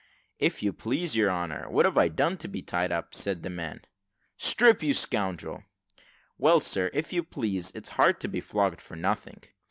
"If you please, your honour, what have I done to be tied up?" said the man. "Strip, you scoundrel!" "Well, sir, if you please, it's hard to be flogged for nothing."